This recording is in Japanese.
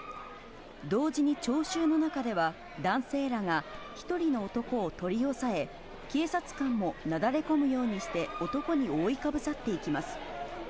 同時に聴衆の中では、男性らが１人の男を取り押さえ、警察官もなだれ込むようにして、男に覆いかぶさっていきます。